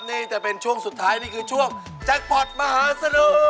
นี่จะเป็นช่วงสุดท้ายนี่คือช่วงแจ็คพอร์ตมหาสนุก